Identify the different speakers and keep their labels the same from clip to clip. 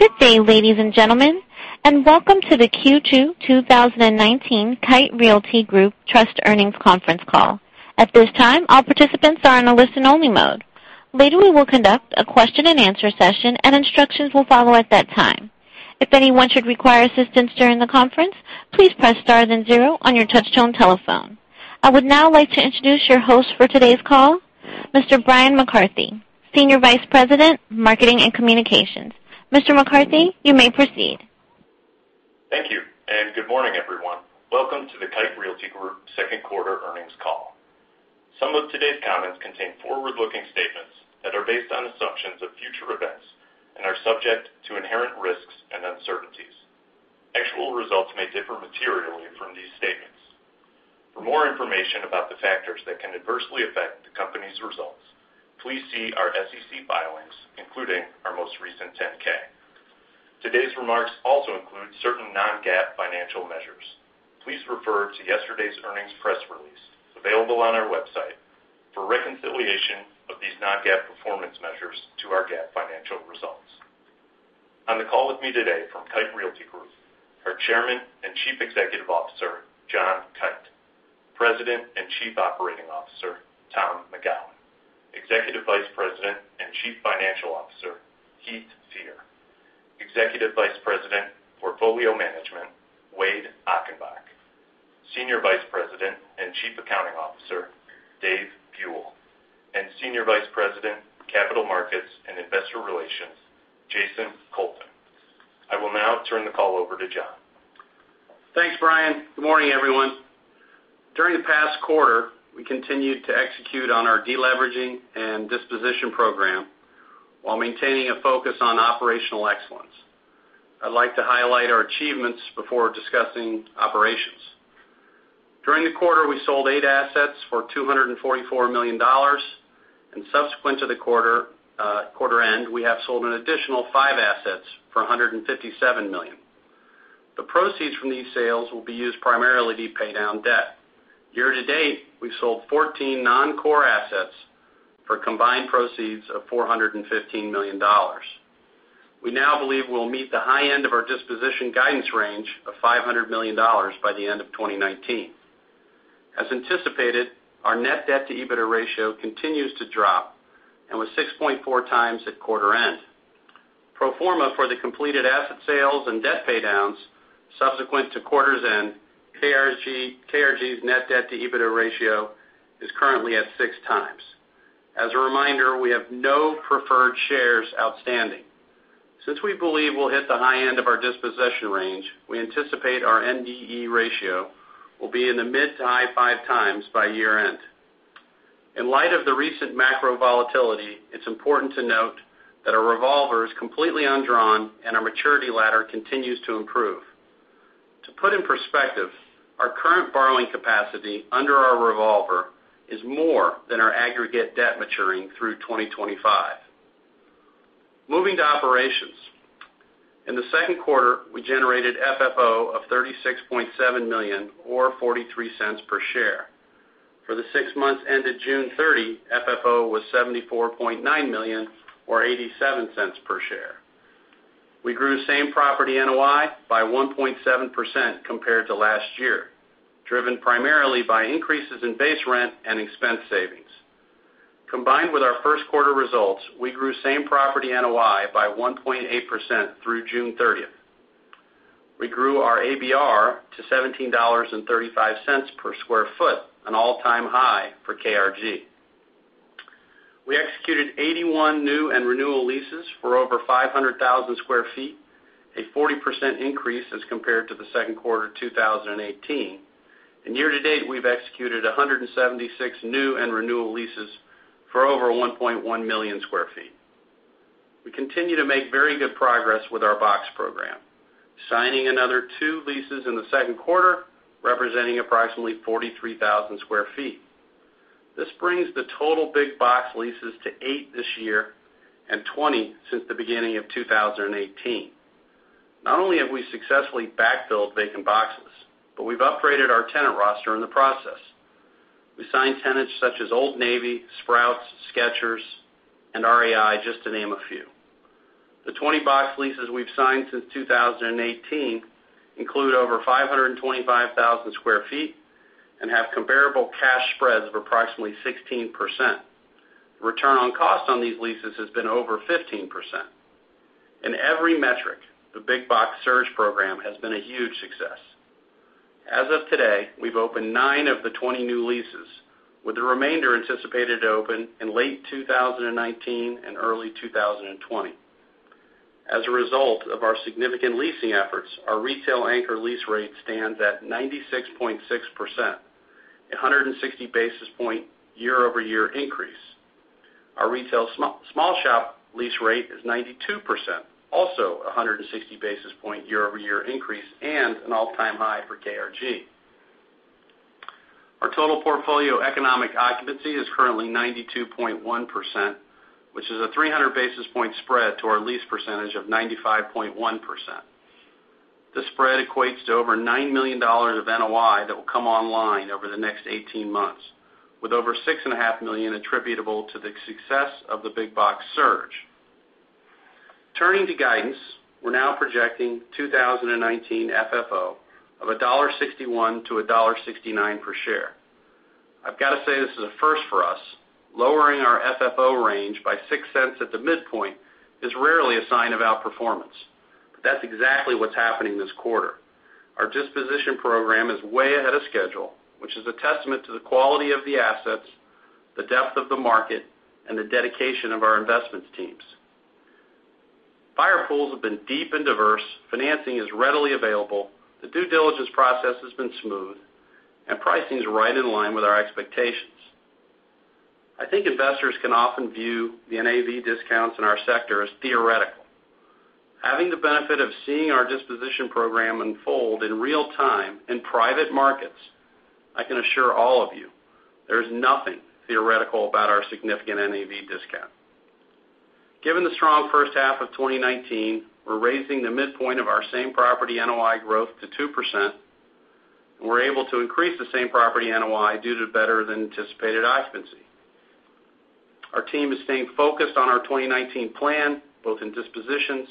Speaker 1: Good day, ladies and gentlemen, and welcome to the Q2 2019 Kite Realty Group Trust Earnings Conference Call. At this time, all participants are in a listen-only mode. Later, we will conduct a question and answer session, and instructions will follow at that time. If anyone should require assistance during the conference, please press star then zero on your touchtone telephone. I would now like to introduce your host for today's call, Mr. Bryan McCarthy, Senior Vice President, Marketing and Communications. Mr. McCarthy, you may proceed.
Speaker 2: Thank you, and good morning, everyone. Welcome to the Kite Realty Group second quarter earnings call. Some of today's comments contain forward-looking statements that are based on assumptions of future events and are subject to inherent risks and uncertainties. Actual results may differ materially from these statements. For more information about the factors that can adversely affect the company's results, please see our SEC filings, including our most recent 10-K. Today's remarks also include certain non-GAAP financial measures. Please refer to yesterday's earnings press release, available on our website, for a reconciliation of these non-GAAP performance measures to our GAAP financial results. On the call with me today from Kite Realty Group, our Chairman and Chief Executive Officer, John Kite; President and Chief Operating Officer, Tom McGowan; Executive Vice President and Chief Financial Officer, Heath Fear; Executive Vice President, Portfolio Management, Wade Achenbach; Senior Vice President and Chief Accounting Officer, Dave Buell; and Senior Vice President, Capital Markets and Investor Relations, Jason Colton. I will now turn the call over to John.
Speaker 3: Thanks, Bryan. Good morning, everyone. During the past quarter, we continued to execute on our deleveraging and disposition program while maintaining a focus on operational excellence. I'd like to highlight our achievements before discussing operations. During the quarter, we sold eight assets for $244 million, and subsequent to the quarter end, we have sold an additional five assets for $157 million. The proceeds from these sales will be used primarily to pay down debt. Year to date, we've sold 14 non-core assets for combined proceeds of $415 million. We now believe we'll meet the high end of our disposition guidance range of $500 million by the end of 2019. As anticipated, our net debt to EBITDA ratio continues to drop and was 6.4 times at quarter end. Pro forma for the completed asset sales and debt paydowns subsequent to quarters end, KRG's ND/E ratio is currently at six times. As a reminder, we have no preferred shares outstanding. Since we believe we'll hit the high end of our dispossession range, we anticipate our ND/E ratio will be in the mid to high five times by year-end. In light of the recent macro volatility, it's important to note that our revolver is completely undrawn, and our maturity ladder continues to improve. To put in perspective, our current borrowing capacity under our revolver is more than our aggregate debt maturing through 2025. Moving to operations. In the second quarter, we generated FFO of $36.7 million or $0.43 per share. For the six months ended June 30, FFO was $74.9 million or $0.87 per share. We grew same property NOI by 1.7% compared to last year, driven primarily by increases in base rent and expense savings. Combined with our first quarter results, we grew same property NOI by 1.8% through June 30th. We grew our ABR to $17.35 per square foot, an all-time high for KRG. We executed 81 new and renewal leases for over 500,000 square feet, a 40% increase as compared to the second quarter 2018. Year to date, we've executed 176 new and renewal leases for over 1.1 million square feet. We continue to make very good progress with our box program, signing another two leases in the second quarter, representing approximately 43,000 square feet. This brings the total big box leases to eight this year and 20 since the beginning of 2018. Not only have we successfully backfilled vacant boxes, but we've upgraded our tenant roster in the process. We signed tenants such as Old Navy, Sprouts, Skechers, and REI, just to name a few. The 20 box leases we've signed since 2018 include over 525,000 sq ft and have comparable cash spreads of approximately 16%. Return on cost on these leases has been over 15%. In every metric, the Big Box Surge program has been a huge success. As of today, we've opened 20 of the 29 leases, with the remainder anticipated to open in late 2019 and early 2020. As a result of our significant leasing efforts, our retail anchor lease rate stands at 96.6%, a 160 basis point year-over-year increase. Our retail small shop lease rate is 92%, also a 160 basis point year-over-year increase and an all-time high for KRG. Our total portfolio economic occupancy is currently 92.1%, which is a 300 basis point spread to our lease percentage of 95.1%. The spread equates to over $9 million of NOI that will come online over the next 18 months, with over $6.5 million attributable to the success of the Big Box Surge. We're now projecting 2019 FFO of $1.61-$1.69 per share. I've got to say, this is a first for us. Lowering our FFO range by $0.06 at the midpoint is rarely a sign of outperformance. That's exactly what's happening this quarter. Our disposition program is way ahead of schedule, which is a testament to the quality of the assets, the depth of the market, and the dedication of our investments teams. Buyer pools have been deep and diverse, financing is readily available, the due diligence process has been smooth, and pricing is right in line with our expectations. I think investors can often view the NAV discounts in our sector as theoretical. Having the benefit of seeing our disposition program unfold in real time in private markets, I can assure all of you, there's nothing theoretical about our significant NAV discount. Given the strong first half of 2019, we're raising the midpoint of our same property NOI growth to 2%, and we're able to increase the same property NOI due to better-than-anticipated occupancy. Our team is staying focused on our 2019 plan, both in dispositions,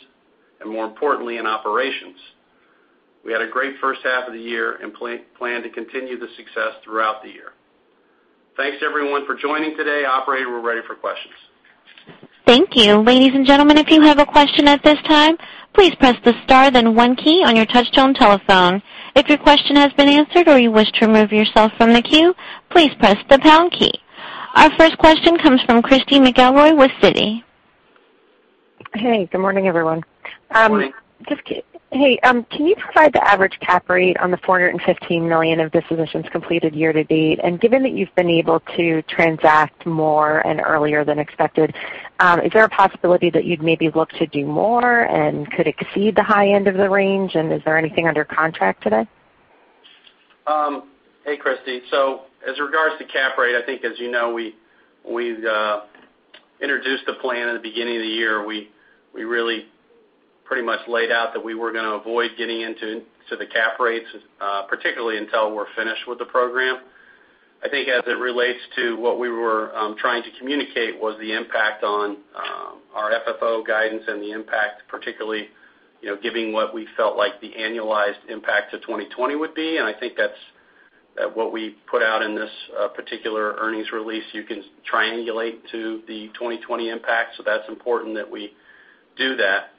Speaker 3: and more importantly, in operations. We had a great first half of the year and plan to continue the success throughout the year. Thanks, everyone, for joining today. Operator, we're ready for questions.
Speaker 1: Thank you. Ladies and gentlemen, if you have a question at this time, please press the star, then one key on your touchtone telephone. If your question has been answered or you wish to remove yourself from the queue, please press the pound key. Our first question comes from Christy McElroy with Citi.
Speaker 4: Hey, good morning, everyone.
Speaker 3: Morning.
Speaker 4: Hey. Can you provide the average cap rate on the $415 million of dispositions completed year to date? Given that you've been able to transact more and earlier than expected, is there a possibility that you'd maybe look to do more, and could it exceed the high end of the range? Is there anything under contract today?
Speaker 3: Hey, Christy. As regards to cap rate, I think, as you know, we've introduced the plan in the beginning of the year. We really pretty much laid out that we were going to avoid getting into the cap rates, particularly until we're finished with the program. I think as it relates to what we were trying to communicate was the impact on our FFO guidance and the impact, particularly giving what we felt like the annualized impact to 2020 would be, and I think that's what we put out in this particular earnings release. You can triangulate to the 2020 impact. That's important that we do that.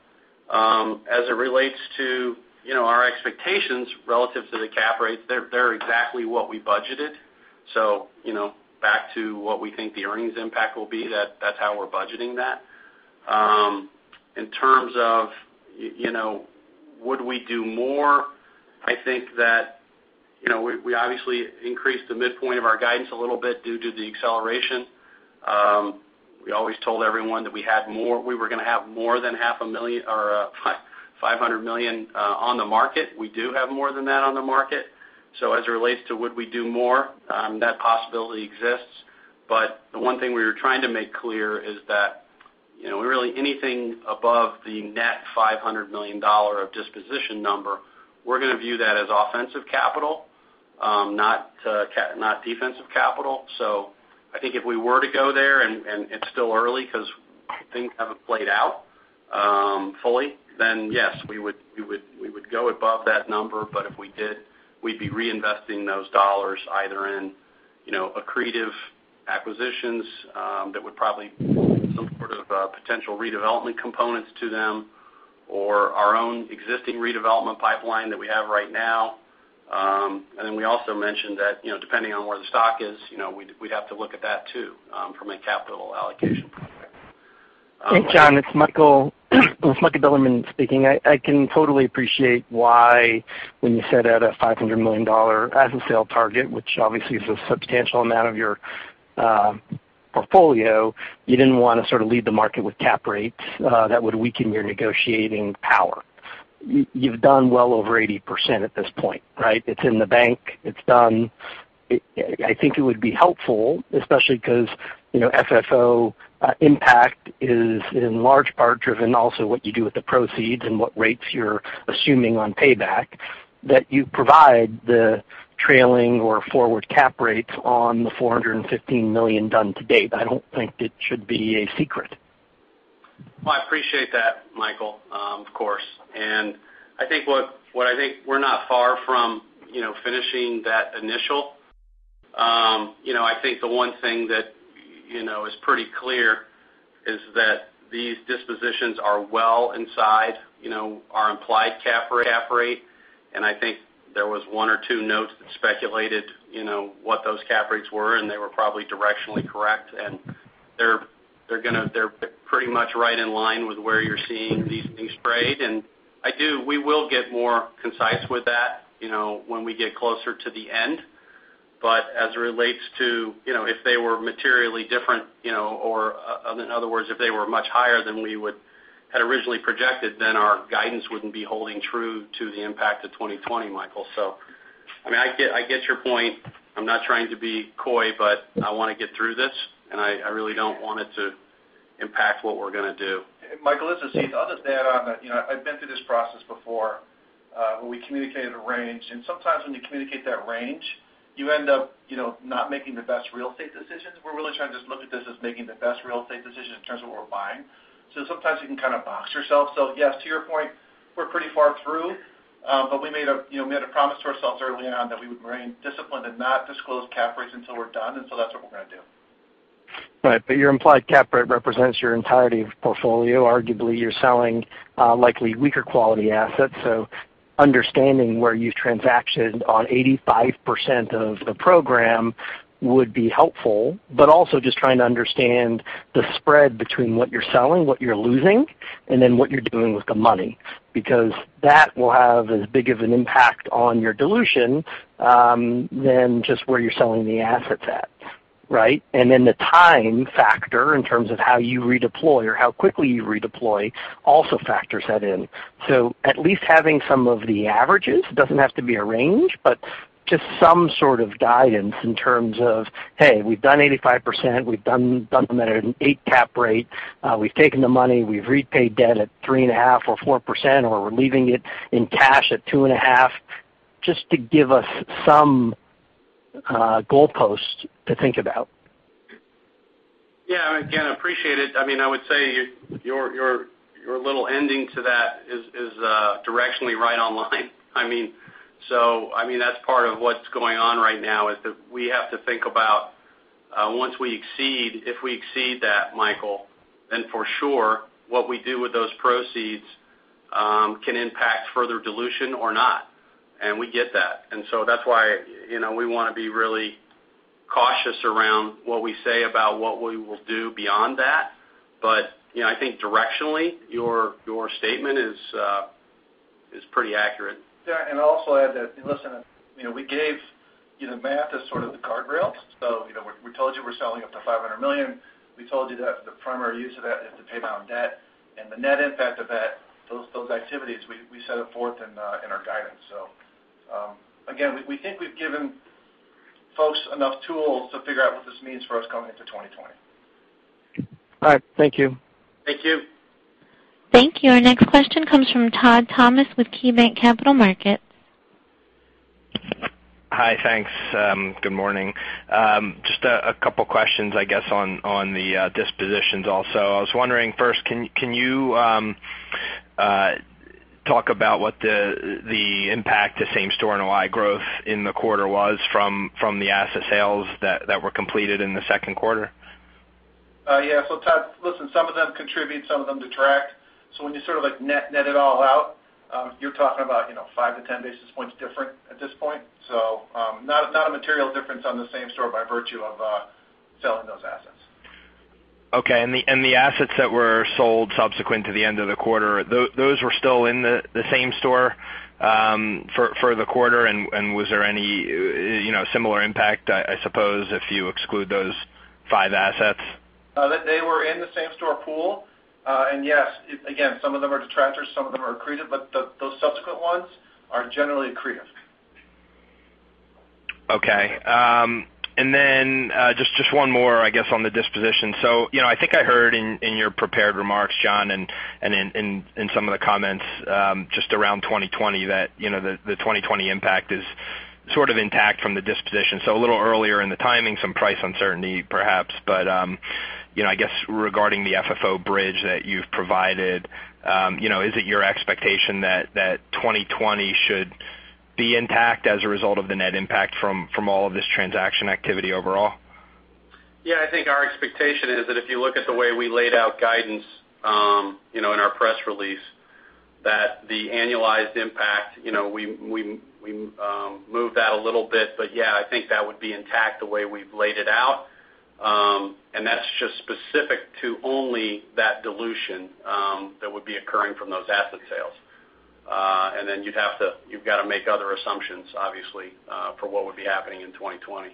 Speaker 3: As it relates to our expectations relative to the cap rates, they're exactly what we budgeted. Back to what we think the earnings impact will be, that's how we're budgeting that. In terms of would we do more, I think that we obviously increased the midpoint of our guidance a little bit due to the acceleration. We always told everyone that we were going to have more than $500 million on the market. We do have more than that on the market. As it relates to would we do more, that possibility exists. The one thing we were trying to make clear is that really anything above the net $500 million of disposition number, we're going to view that as offensive capital, not defensive capital. I think if we were to go there, and it's still early because things haven't played out fully, yes, we would go above that number. If we did, we'd be reinvesting those dollars either in accretive acquisitions that would probably have some sort of potential redevelopment components to them, or our own existing redevelopment pipeline that we have right now. We also mentioned that, depending on where the stock is, we'd have to look at that too, from a capital allocation perspective.
Speaker 5: Hey, John, it's Michael Mueller speaking. I can totally appreciate why when you set out a $500 million asset sale target, which obviously is a substantial amount of your portfolio, you didn't want to sort of lead the market with cap rates that would weaken your negotiating power. You've done well over 80% at this point, right? It's in the bank. It's done. I think it would be helpful, especially because FFO impact is in large part driven also what you do with the proceeds and what rates you're assuming on payback, that you provide the trailing or forward cap rates on the $415 million done to date. I don't think it should be a secret.
Speaker 3: Well, I appreciate that, Michael, of course. I think we're not far from finishing that initial. I think the one thing that is pretty clear is that these dispositions are well inside our implied cap rate. I think there was one or two notes that speculated what those cap rates were, and they were probably directionally correct, and they're pretty much right in line with where you're seeing these things trade. I do, we will get more concise with that when we get closer to the end. As it relates to if they were materially different, or in other words, if they were much higher than we had originally projected, then our guidance wouldn't be holding true to the impact of 2020, Michael. I get your point. I'm not trying to be coy, but I want to get through this, and I really don't want it to impact what we're going to do.
Speaker 6: Michael, this is Heath. I'll just add on that, I've been through this process before, where we communicated a range. Sometimes when you communicate that range, you end up not making the best real estate decisions. We're really trying to just look at this as making the best real estate decisions in terms of what we're buying. Sometimes you can kind of box yourself. Yes, to your point, we're pretty far through, but we made a promise to ourselves early on that we would remain disciplined and not disclose cap rates until we're done, and that's what we're going to do.
Speaker 5: Right. Your implied cap rate represents your entirety of portfolio. Arguably, you're selling likely weaker quality assets. Understanding where you've transacted on 85% of the program would be helpful, but also just trying to understand the spread between what you're selling, what you're losing, and then what you're doing with the money, because that will have as big of an impact on your dilution, than just where you're selling the assets at. Right. The time factor in terms of how you redeploy or how quickly you redeploy also factors that in. At least having some of the averages, doesn't have to be a range, but just some sort of guidance in terms of, hey, we've done 85%, we've done them at an eight cap rate. We've taken the money, we've repaid debt at 3.5% or 4%, or we're leaving it in cash at 2.5%, just to give us some goalposts to think about.
Speaker 3: Yeah. Again, appreciate it. I would say your little ending to that is directionally right online. That's part of what's going on right now is that we have to think about once we exceed, if we exceed that, Michael, then for sure what we do with those proceeds can impact further dilution or not, and we get that. That's why we want to be really cautious around what we say about what we will do beyond that. I think directionally, your statement is pretty accurate.
Speaker 6: Yeah. Also add that, listen, we gave math as sort of the guardrail. We told you we're selling up to $500 million. We told you that the primary use of that is to pay down debt. The net impact of that, those activities, we set it forth in our guidance. Again, we think we've given folks enough tools to figure out what this means for us going into 2020.
Speaker 5: All right. Thank you.
Speaker 3: Thank you.
Speaker 1: Thank you. Our next question comes from Todd Thomas with KeyBanc Capital Markets.
Speaker 7: Hi, thanks. Good morning. Just a couple questions, I guess, on the dispositions also. I was wondering first, can you talk about what the impact to same store NOI growth in the quarter was from the asset sales that were completed in the second quarter?
Speaker 6: Yeah. Todd, listen, some of them contribute, some of them detract. When you sort of like net it all out, you're talking about five to 10 basis points different at this point. Not a material difference on the same store by virtue of selling those assets.
Speaker 7: Okay. The assets that were sold subsequent to the end of the quarter, those were still in the same store, for the quarter, and was there any similar impact, I suppose, if you exclude those five assets?
Speaker 6: They were in the same store pool. Yes, again, some of them are detractors, some of them are accretive, but those subsequent ones are generally accretive.
Speaker 7: Okay. Just one more, I guess, on the disposition. I think I heard in your prepared remarks, John, and in some of the comments, just around 2020 that the 2020 impact is sort of intact from the disposition. A little earlier in the timing, some price uncertainty perhaps. I guess regarding the FFO bridge that you've provided, is it your expectation that 2020 should be intact as a result of the net impact from all of this transaction activity overall?
Speaker 3: Yeah, I think our expectation is that if you look at the way we laid out guidance in our press release, that the annualized impact, we moved that a little bit, but yeah, I think that would be intact the way we've laid it out. That's just specific to only that dilution that would be occurring from those asset sales. You've got to make other assumptions, obviously, for what would be happening in 2020.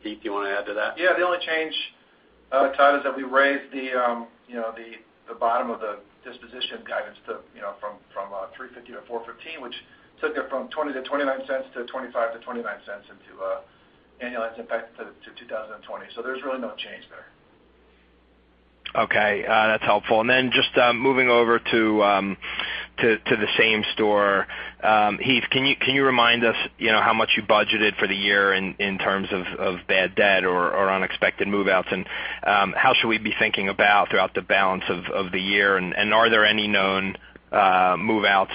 Speaker 3: Heath, do you want to add to that?
Speaker 6: Yeah, the only change, Todd, is that we raised the bottom of the disposition guidance from $350 to $415, which took it from $0.20 to $0.29 to $0.25 to $0.29 into annualized impact to 2020. There's really no change there.
Speaker 7: Okay. That's helpful. Then just moving over to the same store. Heath, can you remind us how much you budgeted for the year in terms of bad debt or unexpected move-outs, and how should we be thinking about throughout the balance of the year, and are there any known move-outs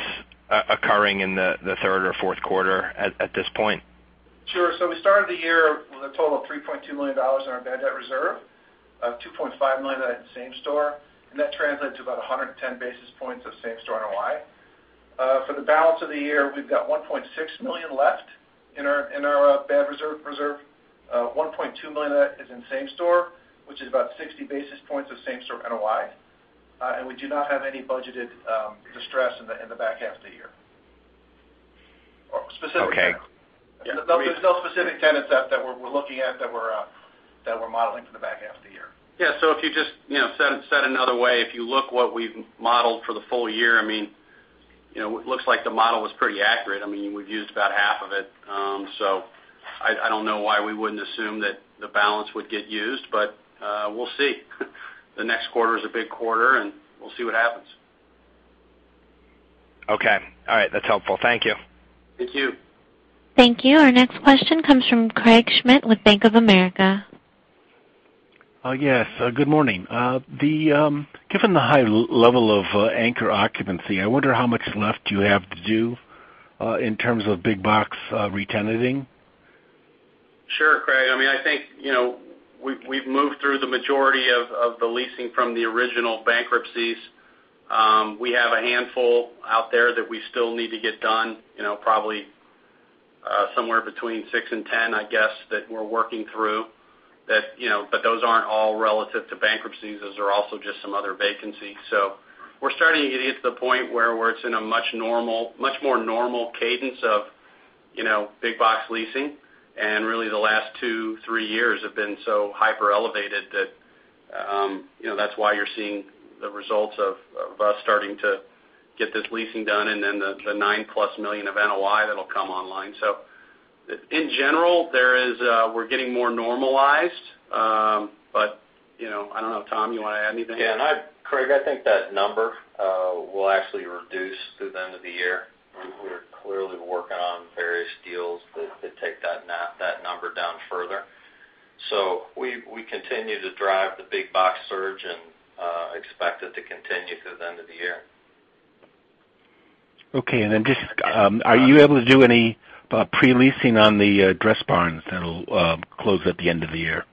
Speaker 7: occurring in the third or fourth quarter at this point?
Speaker 6: Sure. We started the year with a total of $3.2 million in our bad debt reserve, of $2.5 million in same store, and that translated to about 110 basis points of same store NOI. For the balance of the year, we've got $1.6 million left in our bad reserve. $1.2 million of that is in same store, which is about 60 basis points of same store NOI. We do not have any budgeted distress in the back half of the year.
Speaker 7: Okay.
Speaker 6: There's no specific tenants that we're looking at that we're modeling for the back half of the year.
Speaker 3: Yeah. If you just said it another way, if you look what we've modeled for the full year. It looks like the model was pretty accurate. We've used about half of it. I don't know why we wouldn't assume that the balance would get used, but we'll see. The next quarter is a big quarter, and we'll see what happens.
Speaker 7: Okay. All right. That's helpful. Thank you.
Speaker 3: Thank you.
Speaker 1: Thank you. Our next question comes from Craig Schmidt with Bank of America.
Speaker 8: Yes. Good morning. Given the high level of anchor occupancy, I wonder how much left you have to do in terms of big box retenanting.
Speaker 3: Sure, Craig. I think we've moved through the majority of the leasing from the original bankruptcies. We have a handful out there that we still need to get done, probably somewhere between six and 10, I guess, that we're working through. Those aren't all relative to bankruptcies. Those are also just some other vacancies. We're starting to get to the point where it's in a much more normal cadence of big box leasing, and really the last two, three years have been so hyperelevated that's why you're seeing the results of us starting to get this leasing done, and then the $9+ million of NOI that'll come online. In general, we're getting more normalized. I don't know, Tom, you want to add anything?
Speaker 9: Yeah. Craig, I think that number will actually reduce through the end of the year. We're clearly working on various deals that take that number down further. We continue to drive the Big Box Surge and expect it to continue through the end of the year.
Speaker 8: Okay. Just, are you able to do any pre-leasing on the Dressbarns that'll close at the end of the year?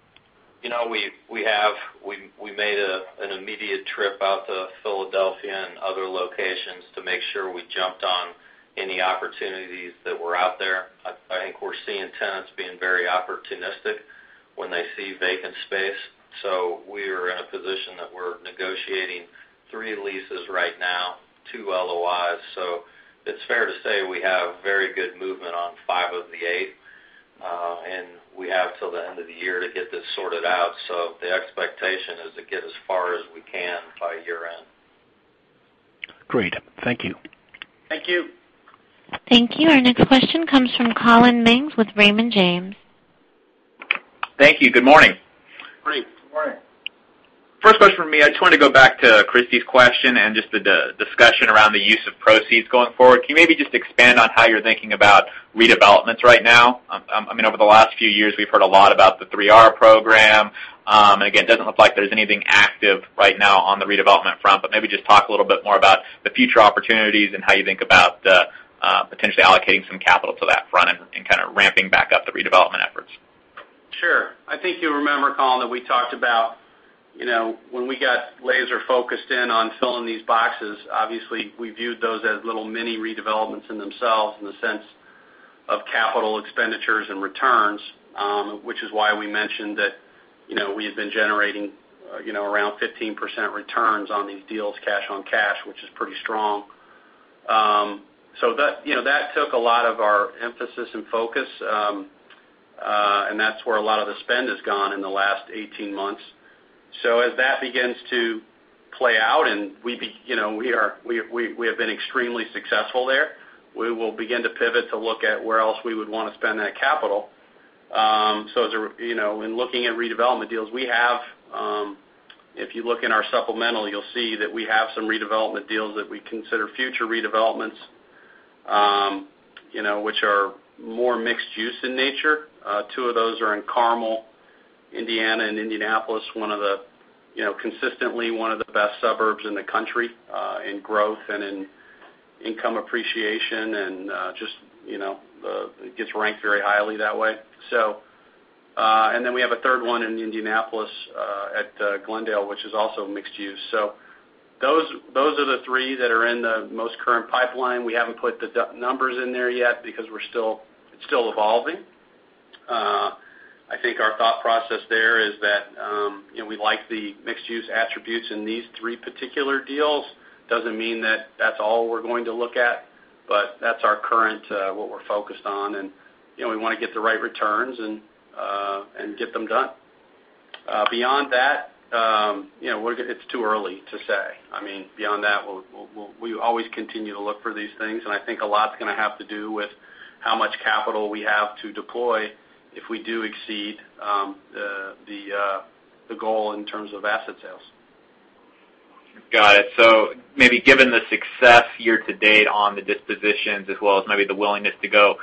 Speaker 9: We made an immediate trip out to Philadelphia and other locations to make sure we jumped on any opportunities that were out there. I think we're seeing tenants being very opportunistic when they see vacant space. We are in a position that we're negotiating three leases right now, two LOIs. It's fair to say we have very good movement on five of the eight. We have till the end of the year to get this sorted out. The expectation is to get as far as we can by year-end.
Speaker 8: Great. Thank you.
Speaker 9: Thank you.
Speaker 1: Thank you. Our next question comes from Collin Mings with Raymond James.
Speaker 10: Thank you. Good morning.
Speaker 3: Good morning.
Speaker 9: Good morning.
Speaker 10: First question from me. I just wanted to go back to Christy's question and just the discussion around the use of proceeds going forward. Can you maybe just expand on how you're thinking about redevelopments right now? Over the last few years, we've heard a lot about the 3R program. Again, it doesn't look like there's anything active right now on the redevelopment front, but maybe just talk a little bit more about the future opportunities and how you think about potentially allocating some capital to that front and kind of ramping back up the redevelopment efforts.
Speaker 3: Sure. I think you remember, Collin, that we talked about when we got laser-focused in on filling these boxes, obviously, we viewed those as little mini redevelopments in themselves in the sense of capital expenditures and returns, which is why we mentioned that we have been generating around 15% returns on these deals, cash on cash, which is pretty strong. That took a lot of our emphasis and focus. That's where a lot of the spend has gone in the last 18 months. As that begins to play out, and we have been extremely successful there, we will begin to pivot to look at where else we would want to spend that capital. In looking at redevelopment deals, if you look in our supplemental, you'll see that we have some redevelopment deals that we consider future redevelopments, which are more mixed use in nature. Two of those are in Carmel, Indiana, and Indianapolis, consistently one of the best suburbs in the country, in growth and in income appreciation, and it gets ranked very highly that way. Then we have a third one in Indianapolis at Glendale, which is also mixed use. Those are the three that are in the most current pipeline. We haven't put the numbers in there yet because it's still evolving. I think our thought process there is that we like the mixed-use attributes in these three particular deals. Doesn't mean that that's all we're going to look at, but that's our current, what we're focused on. We want to get the right returns and get them done. Beyond that, it's too early to say. Beyond that, we always continue to look for these things, and I think a lot's going to have to do with how much capital we have to deploy if we do exceed the goal in terms of asset sales.
Speaker 10: Got it. Maybe given the success year to date on the dispositions as well as maybe the willingness to go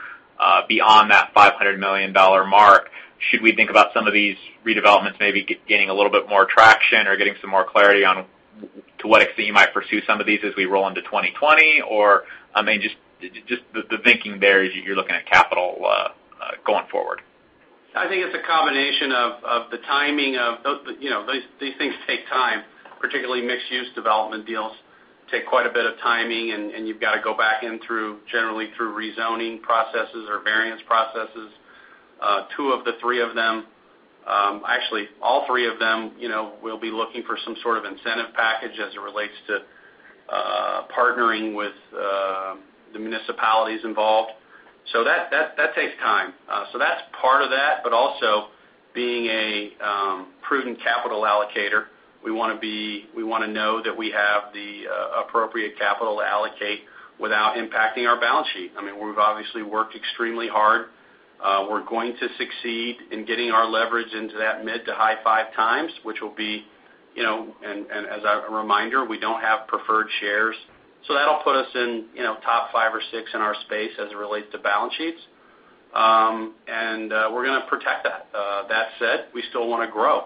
Speaker 10: beyond that $500 million mark, should we think about some of these redevelopments maybe gaining a little bit more traction or getting some more clarity on to what extent you might pursue some of these as we roll into 2020? Just the thinking there as you're looking at capital going forward.
Speaker 3: I think it's a combination of the timing. These things take time, particularly mixed-use development deals take quite a bit of timing, and you've got to go back in generally through rezoning processes or variance processes. Two of the three of them, actually all three of them, we'll be looking for some sort of incentive package as it relates to partnering with the municipalities involved. That takes time. That's part of that. Prudent capital allocator. We wanna know that we have the appropriate capital to allocate without impacting our balance sheet. We've obviously worked extremely hard. We're going to succeed in getting our leverage into that mid to high five times. As a reminder, we don't have preferred shares. That'll put us in top five or six in our space as it relates to balance sheets. We're gonna protect that. That said, we still want to grow.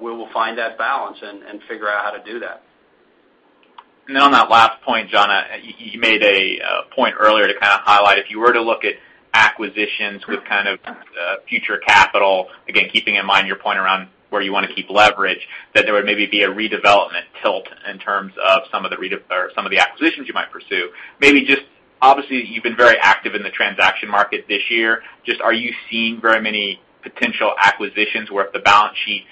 Speaker 3: We will find that balance and figure out how to do that.
Speaker 10: On that last point, John, you made a point earlier to kind of highlight, if you were to look at acquisitions with kind of future capital, again, keeping in mind your point around where you wanna keep leverage, that there would maybe be a redevelopment tilt in terms of some of the acquisitions you might pursue. Maybe just, obviously, you've been very active in the transaction market this year. Just, are you seeing very many potential acquisitions where if the balance sheet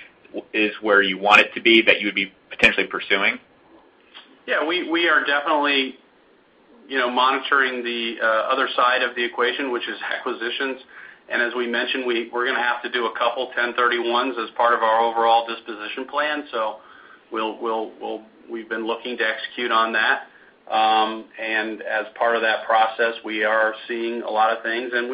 Speaker 10: is where you want it to be, that you would be potentially pursuing?
Speaker 3: Yeah, we are definitely monitoring the other side of the equation, which is acquisitions. As we mentioned, we're going to have to do a couple 1031s as part of our overall disposition plan. We've been looking to execute on that. As part of that process, we are seeing a lot of things, and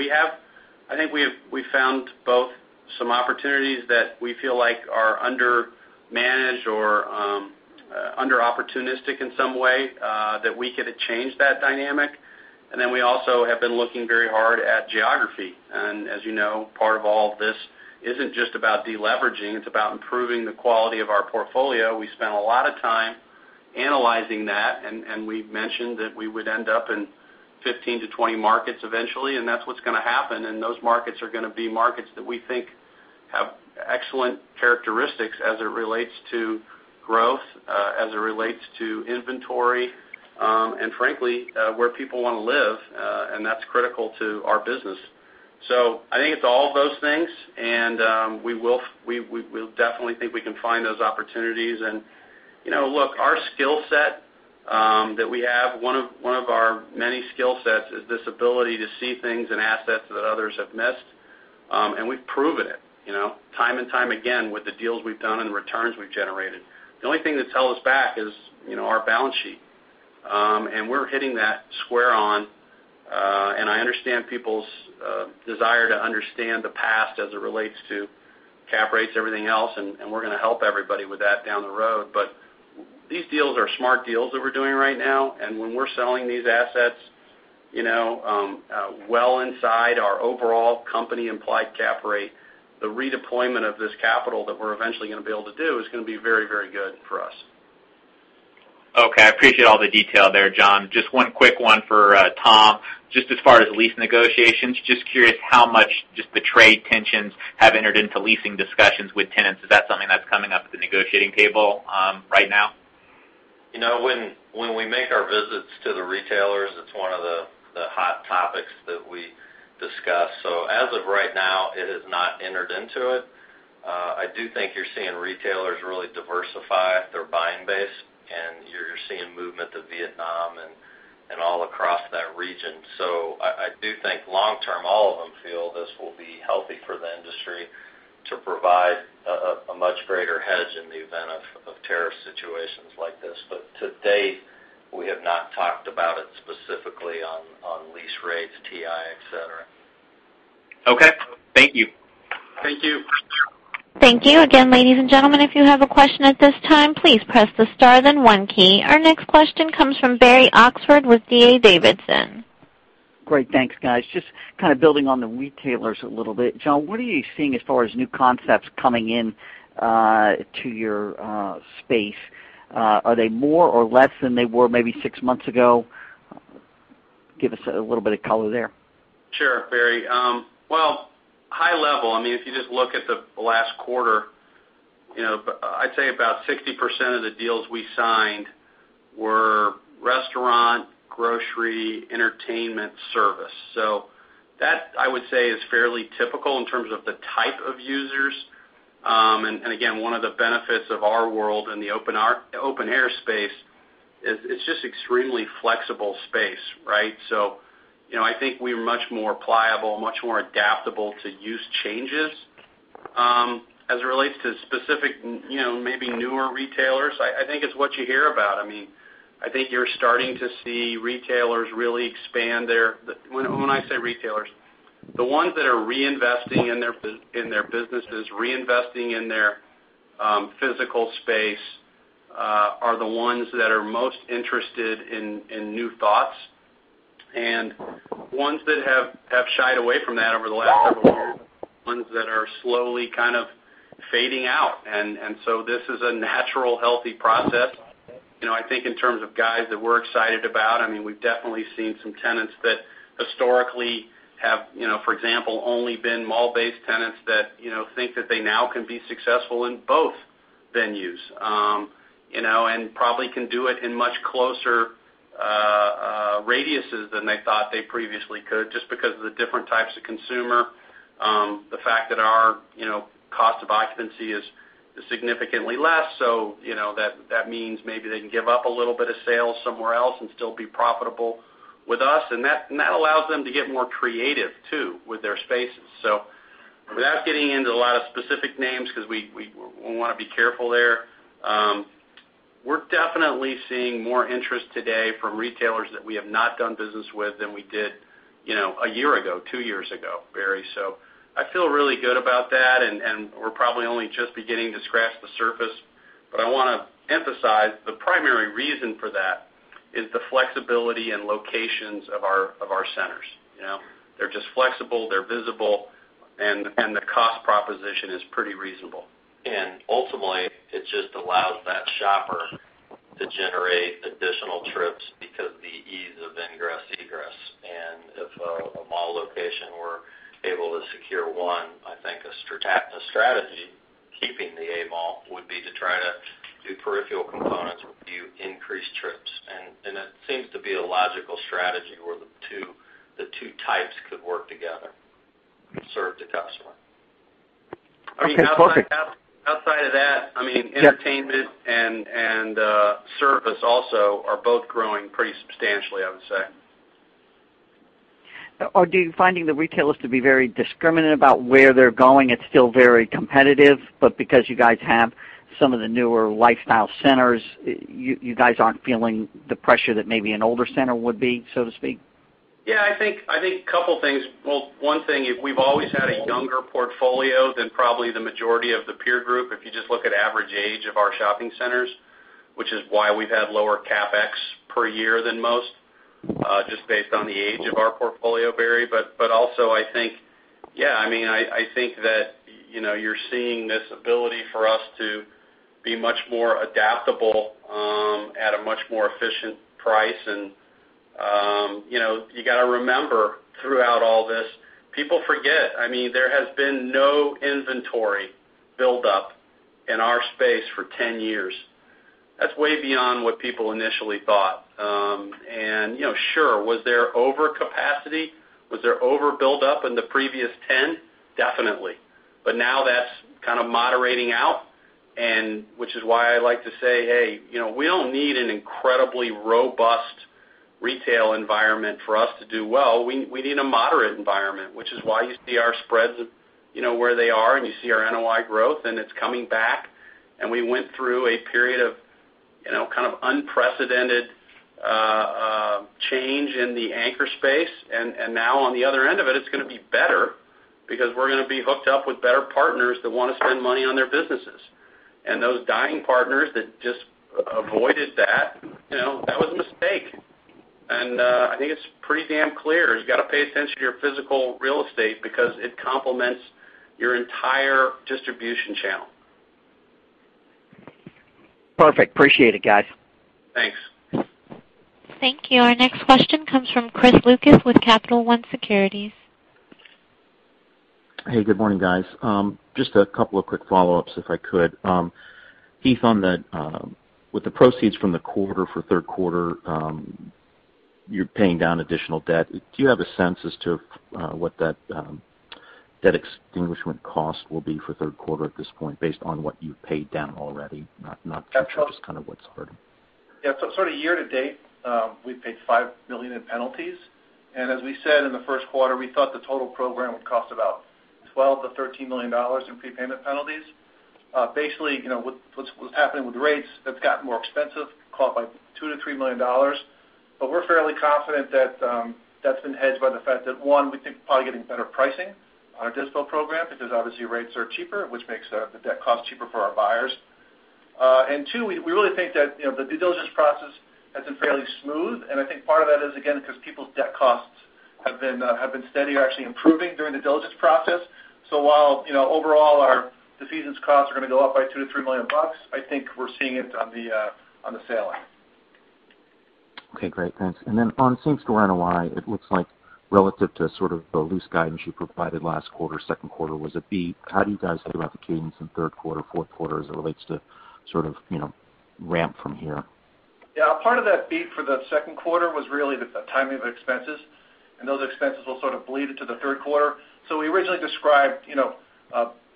Speaker 3: I think we've found both some opportunities that we feel like are under-managed or under-opportunistic in some way, that we could change that dynamic. We also have been looking very hard at geography. As you know, part of all of this isn't just about de-leveraging, it's about improving the quality of our portfolio. We spent a lot of time analyzing that, and we've mentioned that we would end up in 15-20 markets eventually, and that's what's going to happen. Those markets are going to be markets that we think have excellent characteristics as it relates to growth, as it relates to inventory, and frankly, where people want to live, and that's critical to our business. I think it's all of those things, and we definitely think we can find those opportunities and look, our skill set that we have, one of our many skill sets is this ability to see things and assets that others have missed. We've proven it, time and time again with the deals we've done and the returns we've generated. The only thing that's held us back is our balance sheet. We're hitting that square on. I understand people's desire to understand the past as it relates to cap rates, everything else, and we're going to help everybody with that down the road. These deals are smart deals that we're doing right now. When we're selling these assets well inside our overall company implied cap rate, the redeployment of this capital that we're eventually gonna be able to do is gonna be very, very good for us.
Speaker 10: Okay. I appreciate all the detail there, John. Just one quick one for Tom. Just as far as lease negotiations, just curious how much just the trade tensions have entered into leasing discussions with tenants. Is that something that's coming up at the negotiating table right now?
Speaker 9: When we make our visits to the retailers, it's one of the hot topics that we discuss. As of right now, it has not entered into it. I do think you're seeing retailers really diversify their buying base, and you're seeing movement to Vietnam and all across that region. I do think long term, all of them feel this will be healthy for the industry to provide a much greater hedge in the event of tariff situations like this. To date, we have not talked about it specifically on lease rates, TI, et cetera.
Speaker 10: Okay. Thank you.
Speaker 9: Thank you.
Speaker 1: Thank you. Again, ladies and gentlemen, if you have a question at this time, please press the star then one key. Our next question comes from Barry Oxford with D.A. Davidson.
Speaker 11: Great. Thanks, guys. Just kind of building on the retailers a little bit. John, what are you seeing as far as new concepts coming in to your space? Are they more or less than they were maybe six months ago? Give us a little bit of color there.
Speaker 3: Sure, Barry. Well, high level, if you just look at the last quarter, I'd say about 60% of the deals we signed were restaurant, grocery, entertainment, service. That, I would say, is fairly typical in terms of the type of users. Again, one of the benefits of our world and the open air space is it's just extremely flexible space, right? I think we're much more pliable, much more adaptable to use changes. As it relates to specific maybe newer retailers, I think it's what you hear about. I think you're starting to see retailers, when I say retailers, the ones that are reinvesting in their businesses, reinvesting in their physical space, are the ones that are most interested in new thoughts. Ones that have shied away from that over the last several years, are ones that are slowly kind of fading out. This is a natural, healthy process. I think in terms of guys that we're excited about, we've definitely seen some tenants that historically have, for example, only been mall-based tenants that think that they now can be successful in both venues. Probably can do it in much closer radiuses than they thought they previously could, just because of the different types of consumer. The fact that our cost of occupancy is significantly less. That means maybe they can give up a little bit of sales somewhere else and still be profitable with us. That allows them to get more creative too, with their spaces. Without getting into a lot of specific names, because we want to be careful there, we're definitely seeing more interest today from retailers that we have not done business with than we did a year ago, two years ago, Barry. I feel really good about that, and we're probably only just beginning to scratch the surface. I want to emphasize, the primary reason for that is the flexibility and locations of our centers. They're just flexible, they're visible, and the cost proposition is pretty reasonable.
Speaker 9: Ultimately, it just allows that shopper to generate additional trips because of the ease of ingress, egress. If a mall location were able to secure one, I think a strategy, keeping the A mall, would be to try to do peripheral components, review increased trips. That seems to be a logical strategy where the two types could work together, serve the customer.
Speaker 3: Outside of that, entertainment and service also are both growing pretty substantially, I would say.
Speaker 11: Are you finding the retailers to be very discriminate about where they're going? Because you guys have some of the newer lifestyle centers, you guys aren't feeling the pressure that maybe an older center would be, so to speak?
Speaker 3: Yeah, I think a couple things. Well, one thing, we've always had a younger portfolio than probably the majority of the peer group, if you just look at average age of our shopping centers, which is why we've had lower CapEx per year than most, just based on the age of our portfolio, Barry. Also, I think that you're seeing this ability for us to be much more adaptable, at a much more efficient price. You got to remember throughout all this, people forget, there has been no inventory buildup in our space for 10 years. That's way beyond what people initially thought. Sure, was there overcapacity? Was there over buildup in the previous 10? Definitely. Now that's kind of moderating out, and which is why I like to say, hey, we don't need an incredibly robust retail environment for us to do well. We need a moderate environment, which is why you see our spreads where they are, you see our NOI growth, and it's coming back. We went through a period of kind of unprecedented change in the anchor space. Now on the other end of it's going to be better, because we're going to be hooked up with better partners that want to spend money on their businesses. Those dying partners that just avoided that was a mistake. I think it's pretty damn clear, you got to pay attention to your physical real estate because it complements your entire distribution channel.
Speaker 11: Perfect. Appreciate it, guys.
Speaker 3: Thanks.
Speaker 1: Thank you. Our next question comes from Chris Lucas with Capital One Securities.
Speaker 12: Hey, good morning, guys. Just a couple of quick follow-ups, if I could. Heath, with the proceeds from the quarter for third quarter, you're paying down additional debt. Do you have a sense as to what that debt extinguishment cost will be for third quarter at this point, based on what you've paid down already? Not future, just kind of what's heard.
Speaker 6: Yeah. Sort of year-to-date, we've paid $5 million in penalties. As we said in the first quarter, we thought the total program would cost about $12 million-$13 million in prepayment penalties. Basically, what's happening with rates, that's gotten more expensive, call it by $2 million-$3 million. We're fairly confident that's been hedged by the fact that, one, we think we're probably getting better pricing on our dispo program because obviously rates are cheaper, which makes the debt cost cheaper for our buyers. Two, we really think that the due diligence process has been fairly smooth, and I think part of that is, again, because people's debt costs have been steady or actually improving during the diligence process. While, overall our defeasance costs are going to go up by $2 million-$3 million bucks, I think we're seeing it on the selling.
Speaker 12: Okay, great. Thanks. On same store NOI, it looks like relative to sort of the loose guidance you provided last quarter, second quarter was a beat. How do you guys think about the cadence in third quarter, fourth quarter, as it relates to sort of ramp from here?
Speaker 6: Part of that beat for the second quarter was really the timing of expenses. Those expenses will sort of bleed into the third quarter. We originally described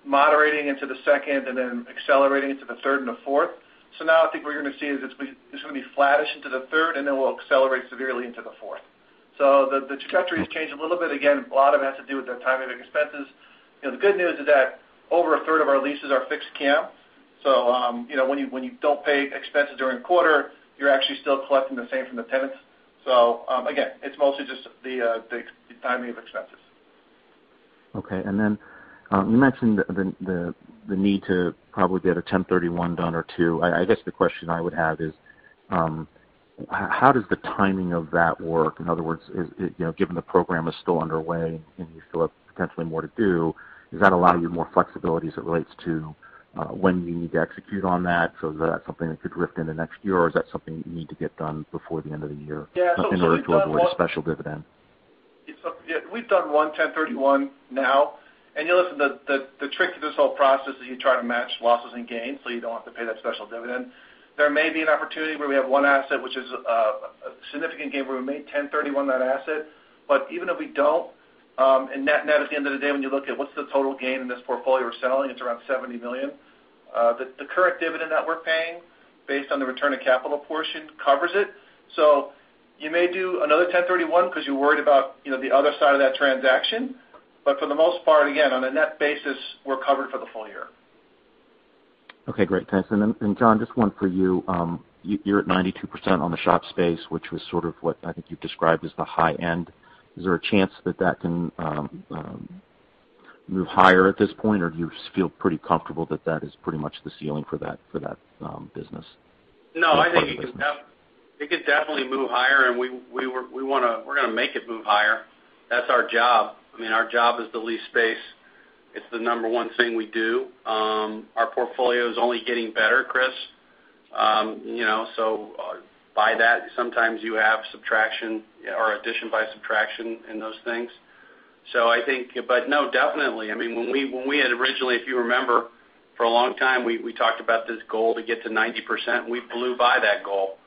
Speaker 6: moderating into the second and then accelerating into the third and the fourth. Now I think what we're going to see is it's going to be flattish into the third. Then we'll accelerate severely into the fourth. The trajectory has changed a little bit. Again, a lot of it has to do with the timing of expenses. The good news is that over a third of our leases are fixed CAM. When you don't pay expenses during the quarter, you're actually still collecting the same from the tenants. Again, it's mostly just the timing of expenses.
Speaker 12: Okay. You mentioned the need to probably get a 1031 done or two. I guess the question I would have is, how does the timing of that work? In other words, given the program is still underway and you still have potentially more to do, does that allow you more flexibility as it relates to when you need to execute on that? Is that something that could drift into next year, or is that something that you need to get done before the end of the year in order to avoid a special dividend?
Speaker 6: Yeah. We've done one 1031 now. Listen, the trick to this whole process is you try to match losses and gains, so you don't have to pay that special dividend. There may be an opportunity where we have one asset, which is a.
Speaker 3: Significant gain. We may 1031 that asset, even if we don't, and net at the end of the day, when you look at what's the total gain in this portfolio we're selling, it's around $70 million. The current dividend that we're paying based on the return of capital portion covers it. You may do another 1031 because you're worried about the other side of that transaction. For the most part, again, on a net basis, we're covered for the full year.
Speaker 12: Okay, great. Thanks. John, just one for you. You're at 92% on the shop space, which was sort of what I think you described as the high end. Is there a chance that that can move higher at this point, or do you feel pretty comfortable that is pretty much the ceiling for that business?
Speaker 3: No, I think it could definitely move higher, and we're going to make it move higher. That's our job. Our job is to lease space. It's the number one thing we do. Our portfolio is only getting better, Chris. By that, sometimes you have addition by subtraction in those things. No, definitely. When we had originally, if you remember, for a long time, we talked about this goal to get to 90%, and we blew by that goal.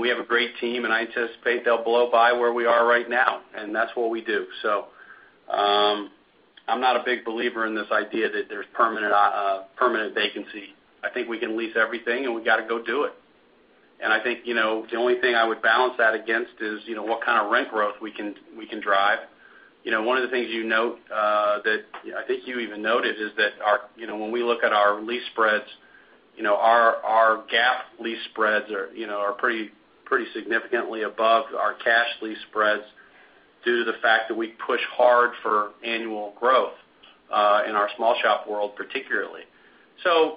Speaker 3: We have a great team, and I anticipate they'll blow by where we are right now, and that's what we do. I'm not a big believer in this idea that there's permanent vacancy. I think we can lease everything, and we got to go do it. I think, the only thing I would balance that against is, what kind of rent growth we can drive. One of the things that I think you even noted is that when we look at our lease spreads our GAAP lease spreads are pretty significantly above our cash lease spreads due to the fact that we push hard for annual growth, in our small shop world particularly.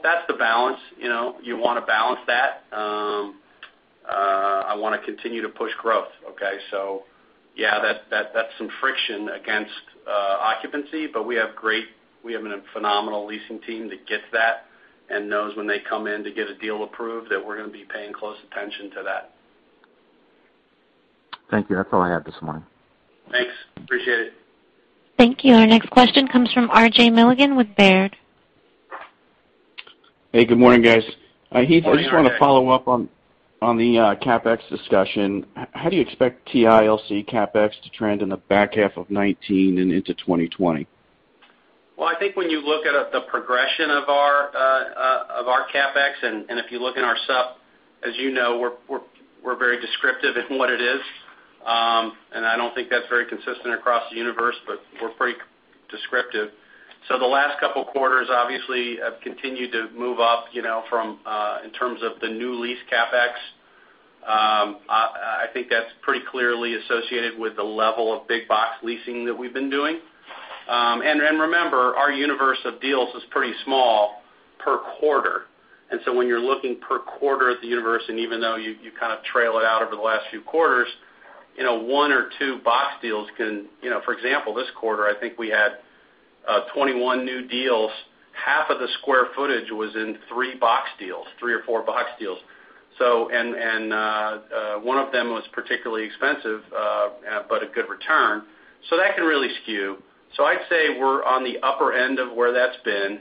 Speaker 3: That's the balance. You want to balance that. I want to continue to push growth. Okay? Yeah, that's some friction against occupancy, but we have a phenomenal leasing team that gets that and knows when they come in to get a deal approved, that we're going to be paying close attention to that.
Speaker 12: Thank you. That's all I had this morning.
Speaker 3: Thanks. Appreciate it.
Speaker 1: Thank you. Our next question comes from R.J. Milligan with Baird.
Speaker 13: Hey, good morning, guys.
Speaker 3: Morning, R.J.
Speaker 13: Heath, I just want to follow up on the CapEx discussion. How do you expect TI LC CapEx to trend in the back half of 2019 and into 2020?
Speaker 3: I think when you look at the progression of our CapEx, if you look in our sup, as you know, we're very descriptive in what it is. I don't think that's very consistent across the universe, but we're pretty descriptive. The last couple of quarters, obviously, have continued to move up, in terms of the new lease CapEx. I think that's pretty clearly associated with the level of big box leasing that we've been doing. Remember, our universe of deals is pretty small per quarter. When you're looking per quarter at the universe, even though you kind of trail it out over the last few quarters, one or two box deals, for example, this quarter, I think we had 21 new deals. Half of the square footage was in three box deals, three or four box deals. One of them was particularly expensive, but a good return. That can really skew. I'd say we're on the upper end of where that's been,